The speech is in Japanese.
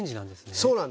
そうなんです。